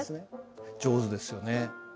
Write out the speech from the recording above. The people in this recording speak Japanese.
上手ですよね。